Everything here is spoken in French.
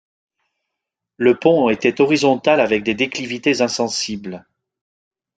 Le pont était horizontal avec des déclivités insensibles.